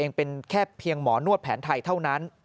เป็นแค่เพียงหมอนวดแผนไทยเท่านั้น